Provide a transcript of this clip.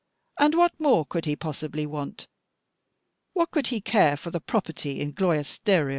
and what more could he possibly want? What could he care for the property in Gloisterio?